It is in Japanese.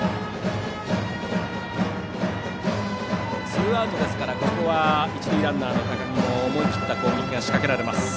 ツーアウトなのでここは一塁ランナーの高木も思い切った攻撃が仕掛けられます。